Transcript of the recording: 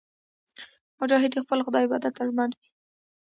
مجاهد د خپل خدای عبادت ته ژمن وي.